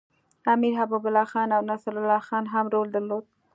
امیر حبیب الله خان او نصرالله خان هم رول درلود.